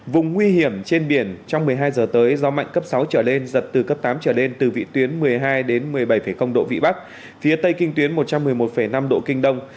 vùng nguy hiểm trên biển trong một mươi hai h tới gió mạnh cấp sáu trở lên giật từ cấp tám trở lên từ vị tuyến một mươi hai một mươi bảy độ vị bắc phía tây kinh tuyến một trăm một mươi một năm độ kinh đông